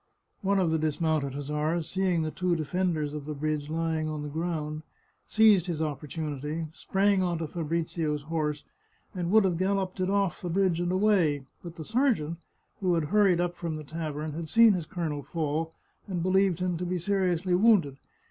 One of the dismounted hussars, seeing the two defenders of the bridge lying on the ground, seized his opportunity, sprang on to Fabrizio's horse, and would have galloped it off the bridge and away, but the sergeant, who had hurried up from the tavern, had seen his colonel fall, and believed him to be seriously wounded.